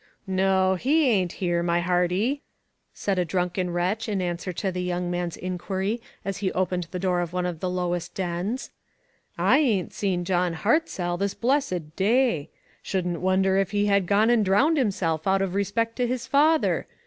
*• No, he ain't here, my hearty,*' said a drunken wretch in answer to the young man's inquiry as he opened the door of one of the lowest dens, " I ain't seen John Hartzell this blessed day. Shouldn't wonder if he had gone and drowned himself out of respect to his father.